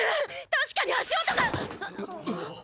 確かに足音が！